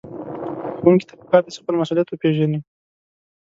ښوونکي ته پکار ده چې خپل مسؤليت وپېژني.